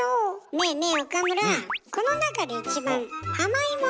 ねえねえ岡村。